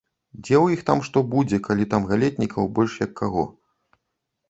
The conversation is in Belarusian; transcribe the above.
Дзе ў іх там што будзе, калі там галетнікаў больш, як каго.